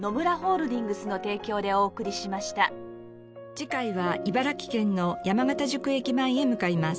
次回は茨城県の山方宿駅前へ向かいます。